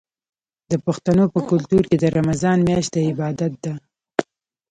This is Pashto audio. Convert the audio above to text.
د پښتنو په کلتور کې د رمضان میاشت د عبادت ده.